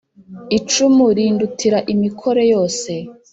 Icumu rindutira imikore yose